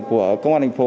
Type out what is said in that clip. của công an thành phố